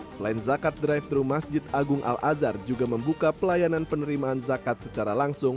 selain zakat drive thru masjid agung al azhar juga membuka pelayanan penerimaan zakat secara langsung